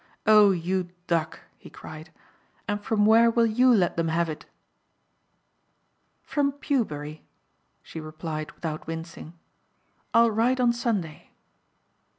"Oh you duck!" he cried. "And from where will YOU let them have it?" "From Pewbury," she replied without wincing. "I'll write on Sunday."